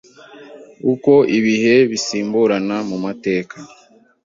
Uko ibihe bisimburana mu matek